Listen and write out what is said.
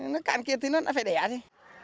nó cạn kiệt thì nó đã phải đẻ chứ